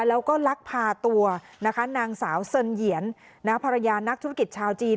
แล้วก็ลักพาตัวนะคะนางสาวเซินเหยียนภรรยานักธุรกิจชาวจีน